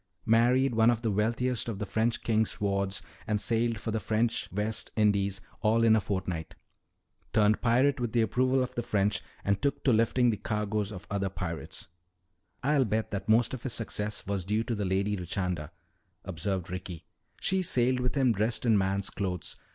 "Married one of the wealthiest of the French king's wards and sailed for the French West Indies all in a fortnight. Turned pirate with the approval of the French and took to lifting the cargoes of other pirates." "I'll bet that most of his success was due to the Lady Richanda," observed Ricky. "She sailed with him dressed in man's clothes.